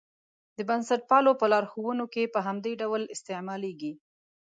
د بنسټپالو په لارښوونو کې په همدې ډول استعمالېږي.